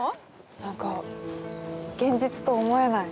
何か現実と思えない。